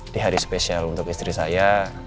di hari spesial untuk istri saya